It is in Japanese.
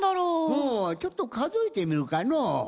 ほうちょっとかぞえてみるかのう。